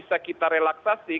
karena juga pelayanan kesehatan